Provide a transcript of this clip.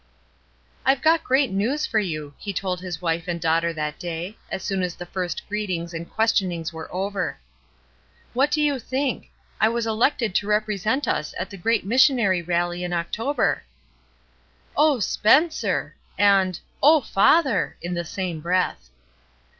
"I've got great news for you," he told his wife and daughter that day, as soon as the first greetings and questionings were over. 330 ESTER RIED*S NAMESAKE "What do you think? I was elected to rep resent us at the great missionary rally in October." "Oh, Spencer!" and ''Oh, father!" in the same breath.